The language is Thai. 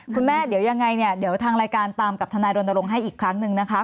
คุณแม่เดี๋ยวยังไงเนี่ยเดี๋ยวทางรายการตามกับทนายรณรงค์ให้อีกครั้งหนึ่งนะคะ